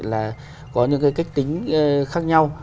là có những cái cách tính khác nhau